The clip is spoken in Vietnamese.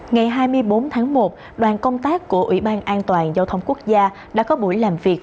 ngày hai mươi bốn tháng một đoàn công tác của ủy ban an toàn giao thông quốc gia đã có buổi làm việc